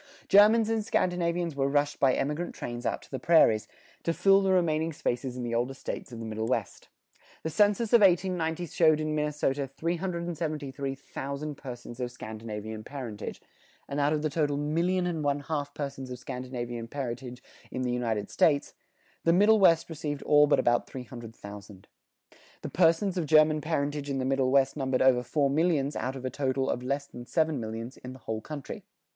Germans and Scandinavians were rushed by emigrant trains out to the prairies, to fill the remaining spaces in the older States of the Middle West. The census of 1890 showed in Minnesota 373,000 persons of Scandinavian parentage, and out of the total million and one half persons of Scandinavian parentage in the United States, the Middle West received all but about three hundred thousand. The persons of German parentage in the Middle West numbered over four millions out of a total of less than seven millions in the whole country.